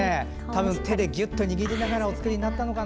手でぎゅっと握りながらお作りになったのかな。